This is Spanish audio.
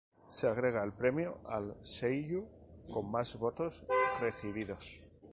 Se agrega el premio al seiyuu con más votos recibidos.